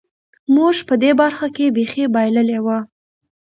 موږ په دې برخه کې بېخي بایللې وه.